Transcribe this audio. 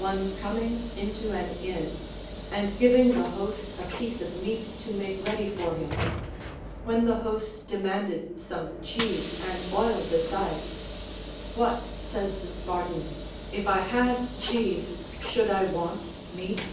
One coming into an inn and giving the host a piece of meat to make ready for him, — when the host demanded some cheese and oil besides, — What ! says the Spartan, if I had cheese should I Avant meat?